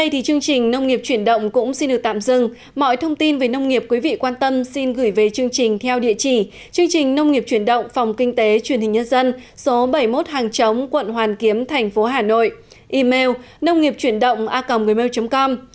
thì chương trình nông nghiệp chuyển động cũng xin được tạm dừng mọi thông tin về nông nghiệp quý vị quan tâm xin gửi về chương trình theo địa chỉ chương trình nông nghiệp chuyển động phòng kinh tế truyền hình nhân dân số bảy mươi một hàng chống quận hoàn kiếm thành phố hà nội email nông nghiệpchuyểnđộngacomgmail com